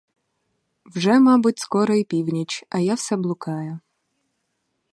Вже, мабуть, скоро і північ, а я все блукаю!